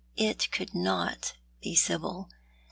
It could not be Sibyl.